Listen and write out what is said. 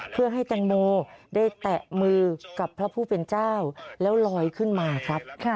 เพื่อให้แตงโมได้แตะมือกับพระผู้เป็นเจ้าแล้วลอยขึ้นมาครับ